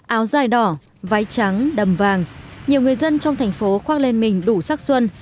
áo dài đỏ váy trắng đầm vàng nhiều người dân trong thành phố khoác lên mình đủ sắc xuân